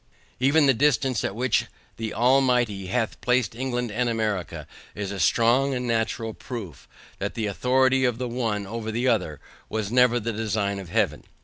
Even the distance at which the Almighty hath placed England and America, is a strong and natural proof, that the authority of the one, over the other, was never the design of Heaven.